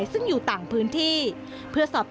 ทำไมเราต้องเป็นแบบเสียเงินอะไรขนาดนี้เวรกรรมอะไรนักหนา